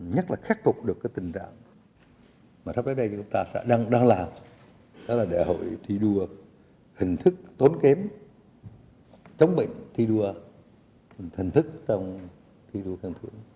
nhất là khắc phục được cái tình trạng mà sắp tới đây chúng ta sẽ đang làm đó là đại hội thi đua hình thức tốn kém chống bệnh thi đua hình thức trong thi đua khen thưởng